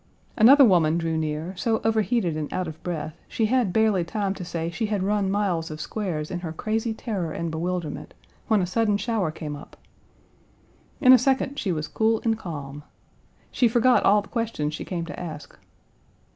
Page 189 Another woman drew near, so overheated and out of breath, she had barely time to say she had run miles of squares in her crazy terror and bewilderment, when a sudden shower came up. In a second she was cool and calm. She forgot all the questions she came to ask.